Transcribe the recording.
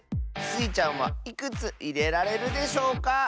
スイちゃんはいくついれられるでしょうか？